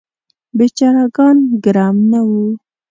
بیچاره ګان ګرم نه وو.